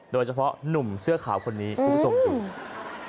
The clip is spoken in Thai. โดยเฉพาะหนุ่มเสื้อขาวคนนี้อู๋ส่งที่